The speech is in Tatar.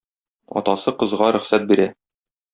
Атасы кызга рөхсәт бирә.